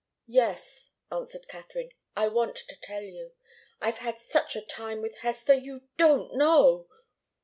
"Yes," answered Katharine. "I want to tell you. I've had such a time with Hester! You don't know!"